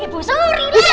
ibu suruh dia